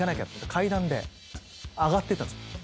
階段で上がってったんですよ。